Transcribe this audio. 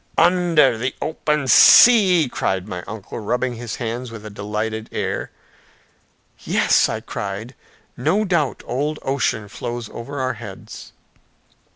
"Under the open sea," cried my uncle, rubbing his hands with a delighted air. "Yes," I cried, "no doubt old Ocean flows over our heads!"